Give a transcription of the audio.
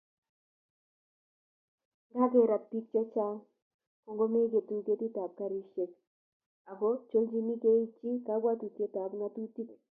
Ngegarat bik chechang kongomengitu ketikab garisiek ako cholchin keibchi kakwautietab ngatutik